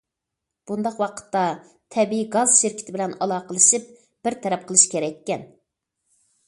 بۇنداق ۋاقىتتا تەبىئىي گاز شىركىتى بىلەن ئالاقىلىشىپ بىر تەرەپ قىلىش كېرەككەن.